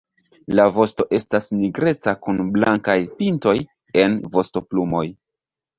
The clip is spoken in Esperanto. La vosto estas nigreca kun blankaj pintoj en vostoplumoj.